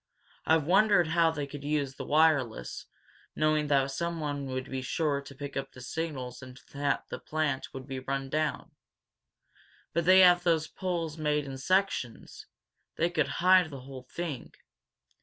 I've wondered how they could use wireless, knowing that someone would be sure to pick up the signals and that the plant would be run down. But they have those poles made in sections they could hide the whole thing.